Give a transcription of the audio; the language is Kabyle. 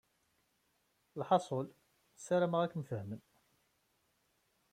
Lḥaṣul, ssarameɣ ad kem-fehmen.